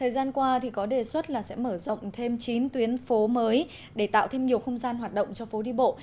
thời gian qua thì có đề xuất là sẽ mở rộng thêm chín tuyến phố mới để tạo thêm nhiều không gian hoạt động cho phố đi bộ